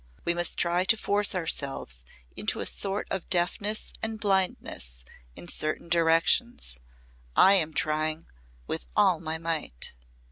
We must try to force ourselves into a sort of deafness and blindness in certain directions. I am trying with all my might."